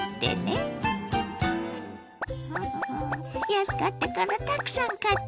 安かったからたくさん買っちゃった！